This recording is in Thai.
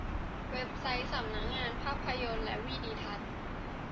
เว็บไซต์สำนักงานภาพยนตร์และวีดิทัศน์